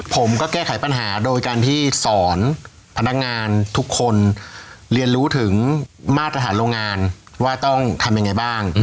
ผมก็แก้ไขปัญหาโดยการที่สอนพนักงานทุกคนเรียนรู้ถึงมาตรฐานโรงงานว่าต้องทำยังไงบ้าง